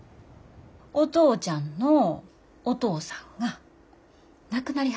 お父ちゃんのお父さんが亡くなりはったよって。